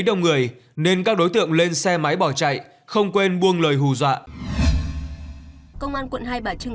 đông người nên các đối tượng lên xe máy bỏ chạy không quên buông lời hù dọa công an quận hai bà trưng